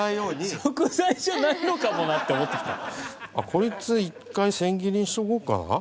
こいつ一回千切りにしとこうかな。